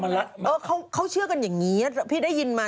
มีความรู้เรียกอะไรมันรู้